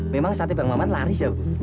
memang sate bang maman laris ya bu